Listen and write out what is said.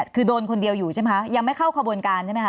คือโดนคนเดียวอยู่ใช่ไหมคะยังไม่เข้าขบวนการใช่ไหมค